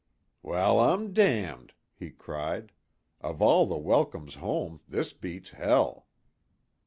"Well I'm damned!" he cried. "Of all the welcomes home this beats hell!"